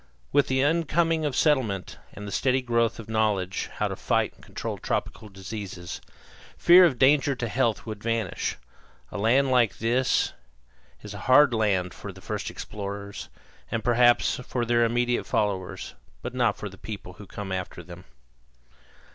With the incoming of settlement and with the steady growth of knowledge how to fight and control tropical diseases, fear of danger to health would vanish. A land like this is a hard land for the first explorers, and perhaps for their immediate followers, but not for the people who come after them.